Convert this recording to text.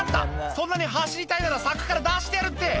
「そんなに走りたいなら柵から出してやるって」